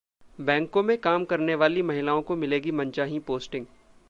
बैंकों में काम करने वाली महिलाओं को मिलेगी मनचाही पोस्टिंग!